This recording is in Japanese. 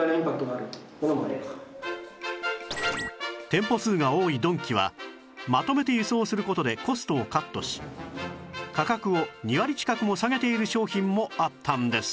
店舗数が多いドンキはまとめて輸送する事でコストをカットし価格を２割近くも下げている商品もあったんです